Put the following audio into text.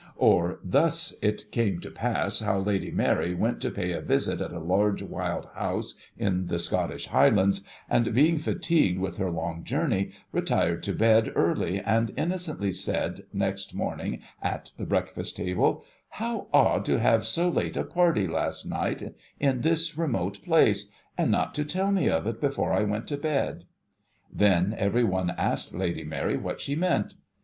Or thus, it came to pass how Lady Mary went to pay a visit at a large wild house in the Scottish Highlands, and, being fatigued with her long journey, retired to bed early, and innocently said, next morning, at the breakfast table, ' How odd, to have so late a party last night, in this remote place, and not to tell me of it, before I went to bed !' Then, every one asked Lady INfary what she meant